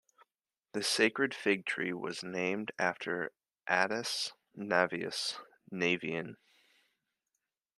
The sacred fig-tree was named after Attius Navius: Navian.